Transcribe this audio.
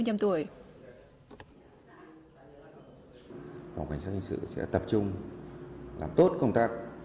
phòng cảnh sát hình sự sẽ tập trung làm tốt công tác